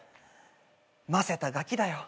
ませたガキだよ。